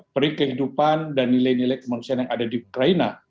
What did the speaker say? peri kehidupan dan nilai nilai kemanusiaan yang ada di ukraina